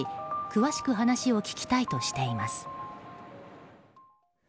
詳しく話を聞きたいとしています。